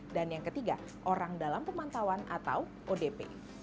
dan yang ketiga orang dalam pemantauan atau odp